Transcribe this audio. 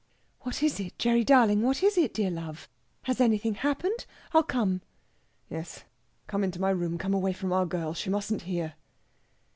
"What is it, Gerry darling? What is it, dear love? Has anything happened? I'll come." "Yes come into my room. Come away from our girl. She mustn't hear."